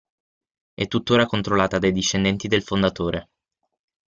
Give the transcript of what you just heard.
È tuttora controllata dai discendenti del fondatore.